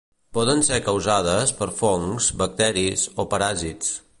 Poden ser causades per fongs, bacteris o paràsits.